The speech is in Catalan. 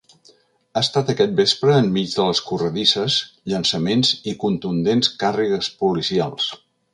Ha estat aquest vespre enmig de les corredisses, llançaments i contundents càrregues policials.